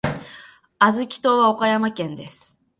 小豆島は岡山県です。